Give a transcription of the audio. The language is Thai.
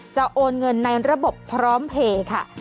โอนเงินในระบบพร้อมเพลย์ค่ะ